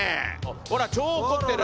ほら超怒ってる。